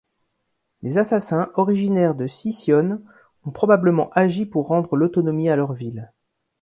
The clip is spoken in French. Les assassins, originaires de Sicyone, ont probablement agi pour rendre l'autonomie à leur ville.